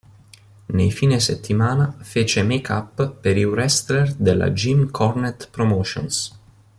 Nei fine settimana fece make-up per i wrestler della Jim Cornette Promotions.